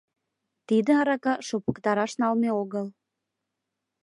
Тиде арака — шопыктараш налме огыл!